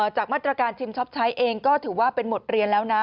จากมาตรการชิมช็อปใช้เองก็ถือว่าเป็นบทเรียนแล้วนะ